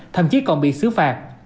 thậm chí còn bị xứ phạt